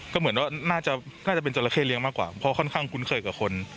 ก็เหมือนว่าน่าจะเป็นจราเข้เลี้ยมากกว่าเพราะค่อนข้างคุ้นเคยกับคน